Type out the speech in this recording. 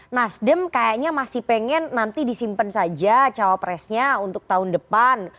nasdem kayaknya masih pengen nanti disimpan saja cawapresnya untuk tahun depan